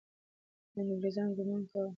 انګریزان ګمان کاوه.